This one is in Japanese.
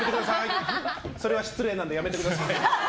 それは失礼なんでやめてくださーい。